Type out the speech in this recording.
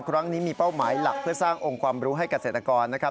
ครั้งนี้มีเป้าหมายหลักเพื่อสร้างองค์ความรู้ให้เกษตรกรนะครับ